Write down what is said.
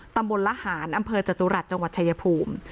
ตำรวจละหารอจตุรัฐจชัยภูมิ